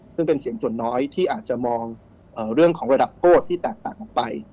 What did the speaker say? ซึ่งเป็นเสียงส่วนน้อยที่อาจจะมองเรื่องของระดับโทษที่แตกต่างออกไป